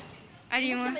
あります。